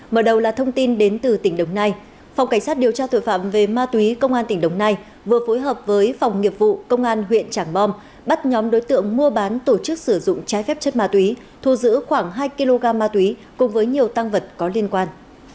mở đầu là thông tin đến từ tỉnh đồng nai phòng cảnh sát điều tra tội phạm về ma túy công an tỉnh đồng nai vừa phối hợp với phòng nghiệp vụ công an huyện trảng bom bắt nhóm đối tượng mua bán tổ chức sử dụng trái phép chất ma túy thu giữ khoảng hai kg ma túy cùng với nhiều tăng vật có liên quan